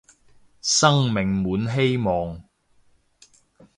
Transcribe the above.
生命滿希望